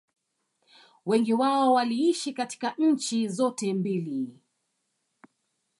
wengi wao waliishi katika nchi zote mbili